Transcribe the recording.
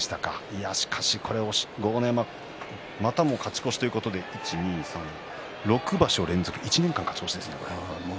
またも勝ち越しということで６場所連続、１年間、勝ち越しですね。